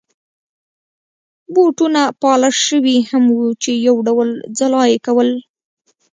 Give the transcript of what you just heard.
بوټونه پالش شوي هم وو چې یو ډول ځلا يې کول.